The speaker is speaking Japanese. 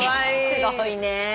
すごいね！